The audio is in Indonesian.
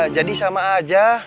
jadi sama aja